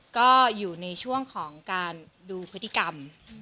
ก็อยู่ในช่วงของการดูพฤติกรรม